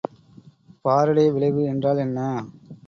Faraday விளைவு என்றால் என்ன?